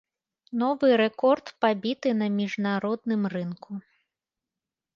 Новы рэкорд пабіты на міжнародным рынку.